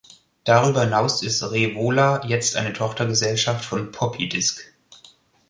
Darüber hinaus ist RevOla jetzt eine Tochtergesellschaft von PoppyDisc.